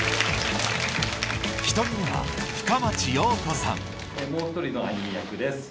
１人目はもう１人のアニー役です。